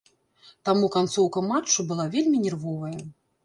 Таму канцоўка матчу была вельмі нервовая.